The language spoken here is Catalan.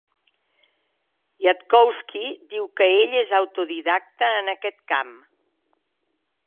Yudkowsky diu que ell és autodidacta en aquest camp.